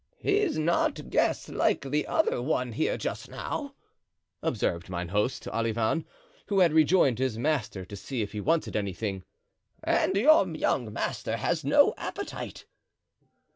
"He's not a guest like the other one here just now," observed mine host to Olivain, who had rejoined his master to see if he wanted anything, "and your young master has no appetite."